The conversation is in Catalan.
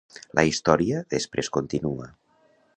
La història després continua.